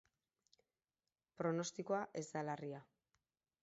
Pronostikoa ez da larria.